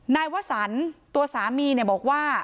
นายวสันตัวสามีบอกว่า